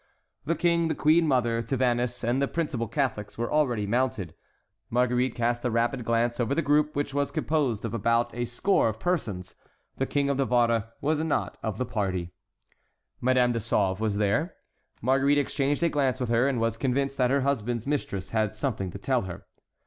The King, the queen mother, Tavannes, and the principal Catholics were already mounted. Marguerite cast a rapid glance over the group, which was composed of about a score of persons; the King of Navarre was not of the party. Madame de Sauve was there. Marguerite exchanged a glance with her, and was convinced that her husband's mistress had something to tell her.